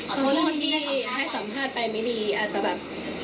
ขอโทษที่ให้สัมภาษณ์ไปไม่ดีอาจจะแบบ